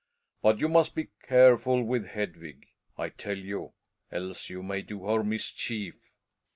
But you must be careful with Hedvig, I tell you, else you may do her a mischief.